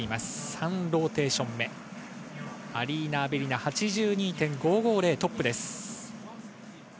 ３ローテーション目、アリーナ・アベリナ、８２．５５０でトップです。